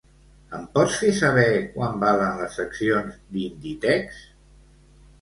Em pots fer saber quant valen les accions d'Inditex?